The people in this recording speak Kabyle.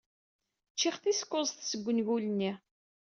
Cciɣ tis kuẓet seg wengul-nni.